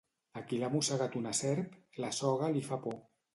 A qui l'ha mossegat una serp, la soga li fa por.